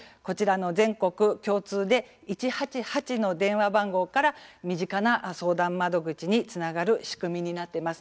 全国共通で１８８の電話番号から身近な相談窓口につながる仕組みになっています。